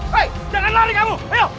hei jangan lari kamu ayo